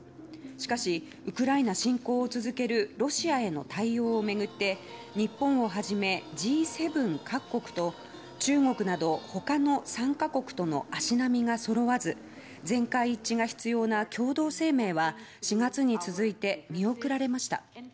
しかし、ウクライナ侵攻を続けるロシアへの対応を巡って日本をはじめＧ７各国と中国など他の参加国との足並みがそろわず全会一致が必要な共同声明は４月に続いて見送られました。